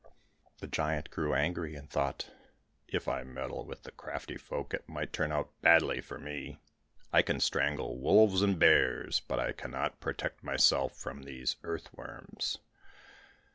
The giant grew angry and thought, "If I meddle with the crafty folk, it might turn out badly for me. I can strangle wolves and bears, but I cannot protect myself from these earth worms."